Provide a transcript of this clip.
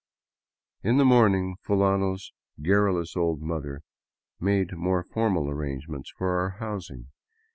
In the morning Fulano's garrulous old mother made more formal arrangements for our housing.